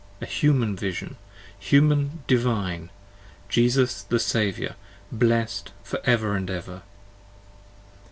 A Human Vision! Human Divine, Jesus the Saviour, blessed for ever and ever.